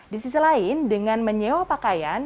di sisi lain dengan menyewa pakaian